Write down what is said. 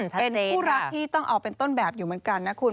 เป็นคู่รักที่ต้องเอาเป็นต้นแบบอยู่เหมือนกันนะคุณ